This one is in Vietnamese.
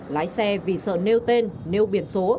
lái xe vì sợ nêu tên nêu biển số